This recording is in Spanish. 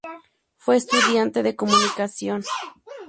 Fue estudiante de comunicación.